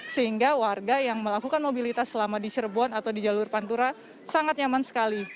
sehingga warga yang melakukan mobilitas selama di cirebon atau di jalur pantura sangat nyaman sekali